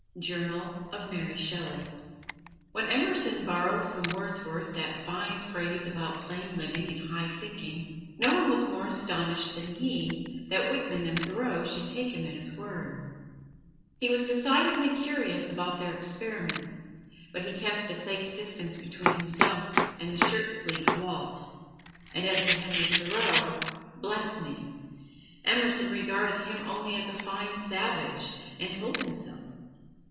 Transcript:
Journal of Mary Shelley [Illustration: MARY SHELLEY] When Emerson borrowed from Wordsworth that fine phrase about plain living and high thinking, no one was more astonished than he that Whitman and Thoreau should take him at his word. He was decidedly curious about their experiment. But he kept a safe distance between himself and the shirt sleeved Walt; and as for Henry Thoreau bless me! Emerson regarded him only as a fine savage, and told him so.